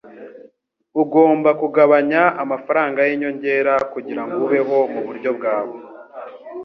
Ugomba kugabanya amafaranga yinyongera kugirango ubeho muburyo bwawe.